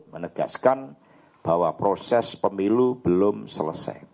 menegaskan bahwa proses pemilu belum selesai